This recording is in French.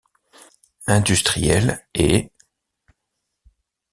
Industriels et.